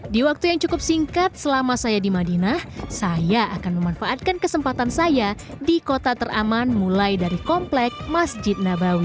di waktu yang cukup singkat selama saya di madinah saya akan memanfaatkan kesempatan saya di kota teraman mulai dari komplek masjid nabawi